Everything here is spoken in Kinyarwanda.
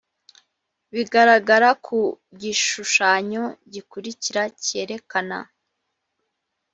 bigaragara ku gishushanyo gikurikira kerekana